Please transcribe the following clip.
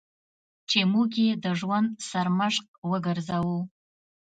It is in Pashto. چې موږ یې د ژوند سرمشق وګرځوو.